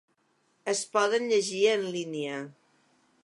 Es poden llegir en línia.